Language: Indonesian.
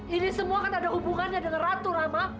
ini semua kan ada hubungannya dengan ratu rama